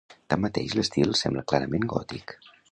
Tanmateix, l'estil sembla clarament gòtic.